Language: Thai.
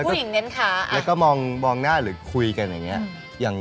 เอาสักอย่างอ่ะต้องผอมยาวใช่ไหม